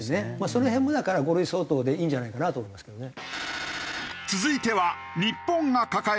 その辺もだから５類相当でいいんじゃないかなと思いますけどね。